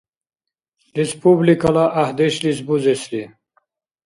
Республикала гӏяхӏдешлис бузесли